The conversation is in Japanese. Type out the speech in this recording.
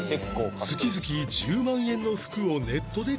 月々１０万円の服をネットで購入